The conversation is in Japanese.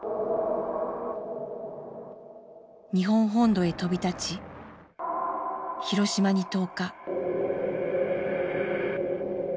日本本土へ飛び立ち広島に投下。